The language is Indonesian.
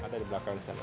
ada di belakang